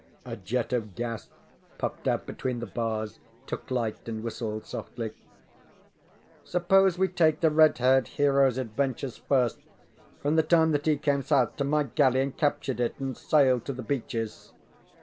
A jet of gas puffed out between the bars, took light and whistled softly. ŌĆ£Suppose we take the red haired heroŌĆÖs adventures first, from the time that he came south to my galley and captured it and sailed to the Beaches.